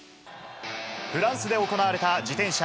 フランスで行われた自転車Ｂ